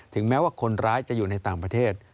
แม้ว่าคนร้ายจะอยู่ในต่างประเทศ